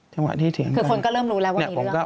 จังหวะที่เถียงกันคือคนก็เริ่มรู้แล้วว่าอยู่หรือเปล่า